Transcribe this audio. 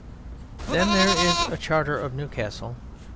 Then there is a Charter of Newcastle.